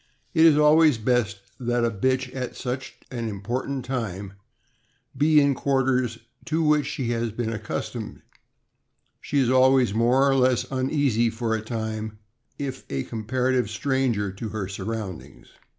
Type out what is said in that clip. It is always best that a bitch at such an important time be in quarters to which she has been accustomed; she is always more or less uneasy for a time if a comparative stranger to her surroundings.